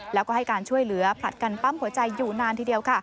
แล้วก็ให้การช่วยเหลือผลัดกันปั้มหัวใจอยู่นานทีเดียว